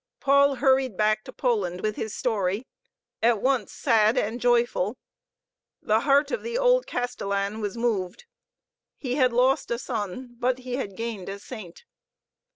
Paul hurried back to Poland with his story, at once sad and joyful. The heart of the old Castellan was moved. He had lost a son, but he had gained a saint.